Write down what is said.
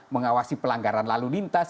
mengawasi pelanggaran lalu lintas